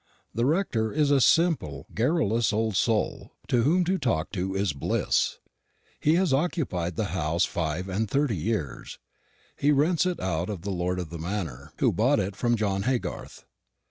The rector is a simple garrulous old soul, to whom to talk is bliss. He has occupied the house five and thirty years. He rents it of the lord of the manor, who bought it from John Haygarth.